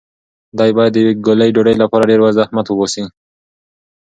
دی باید د یوې ګولې ډوډۍ لپاره ډېر زحمت وباسي.